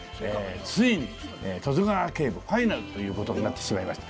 ついに『十津川警部』ファイナルという事になってしまいました。